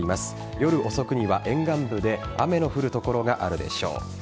夜遅くには沿岸部で雨の降る所があるでしょう。